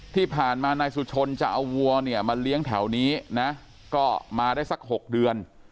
ที่ผ่านมานายสุชนจะเอาวัวเนี่ยมาเลี้ยงแถวนี้นะก็มาได้สัก๖เดือน